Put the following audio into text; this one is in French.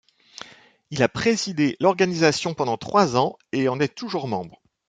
Il a présidé l'organisation pendant trois ans et en est toujours membre.